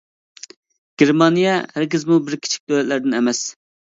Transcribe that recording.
گېرمانىيە ھەرگىزمۇ بىر كىچىك دۆلەتلەردىن ئەمەس.